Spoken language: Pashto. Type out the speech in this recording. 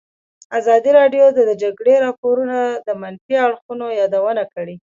ازادي راډیو د د جګړې راپورونه د منفي اړخونو یادونه کړې.